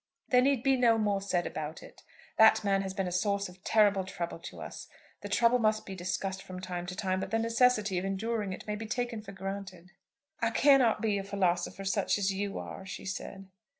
There need be no more said about it. That man has been a source of terrible trouble to us. The trouble must be discussed from time to time, but the necessity of enduring it may be taken for granted." "I cannot be a philosopher such as you are," she said.